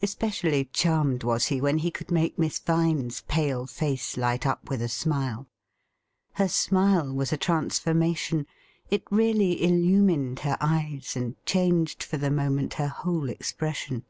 Especially charmed was he when he could make Miss Vine's pale face light up with a smile. Her smile was a transformation — it really illumined her eyes, and changed for the moment her whole expression.